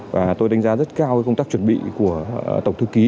và tôi đánh giá rất cao công tác chuẩn bị của tổng thư ký